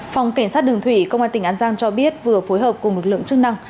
phòng cảnh sát đường thủy công an tỉnh an giang cho biết vừa phối hợp cùng lực lượng chức năng